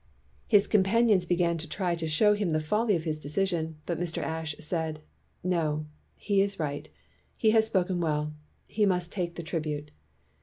His companions began to try to show him the folly of his decision, but Mr. Ashe said, "No, he is right; he has spoken well; he must take the tribute."